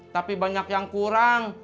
tapi banyak yang kurang